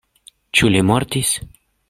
Ĉu li mortis?